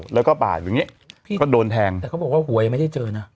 แล้วก็บาดอย่างเงี้ยพี่ก็โดนแทงแต่เขาบอกว่าหัวยังไม่ได้เจอนะ